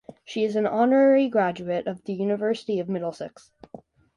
She is an honorary graduate of the University of Middlesex.